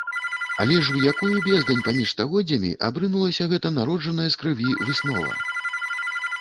Але ж у якую бездань паміж стагоддзямі абрынулася гэта народжаная з крыві выснова?!